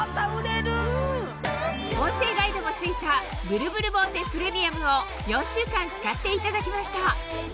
音声ガイドも付いたブルブルボーテプレミアムを４週間使っていただきました